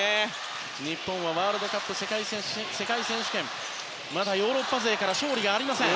日本はワールドカップ世界選手権でまだヨーロッパ勢から勝利がありません。